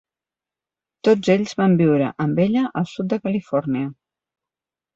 Tots ells van viure amb ella al sud de Califòrnia.